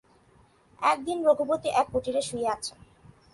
একদিন রঘুপতি এক কুটিরে শুইয়া আছেন।